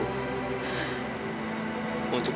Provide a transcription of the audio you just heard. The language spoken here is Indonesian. kamu mau bantu aku